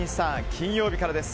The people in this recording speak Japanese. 金曜日からです。